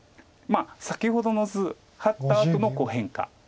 先ほどの図ハッたあとの変化です。